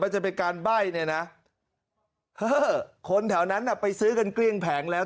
มันจะเป็นการใบ้นะคนแถวนั้นอ่ะไปซื้อกันเกลี้ยก์แผงแล้ว